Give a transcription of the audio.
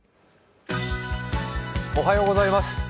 おはようございます。